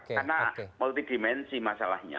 karena multi dimensi masalahnya